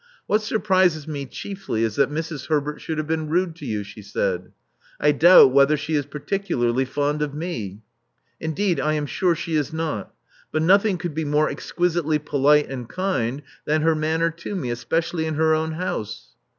*'What surprises me chiefly is that Mrs. Herbert sTiould have been rude to you," she said. '*I doubt whether she is particularly fond of me: indeed, I am sure she is not; but nothing could be more exquisitely polite and kind than her manner to me, especially in her own house.